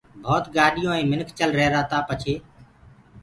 ڀوت گآڏِيونٚ آئينٚ منک چل ريهرآ تآ پڇي